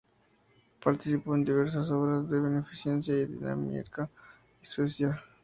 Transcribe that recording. Participó en diversas obras de beneficencia en Dinamarca y Suecia.